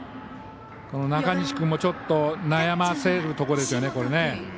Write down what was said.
中西君も、ちょっと悩ませるところですよね。